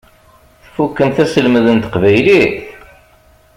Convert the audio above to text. Tfukkemt aselmed n teqbaylit?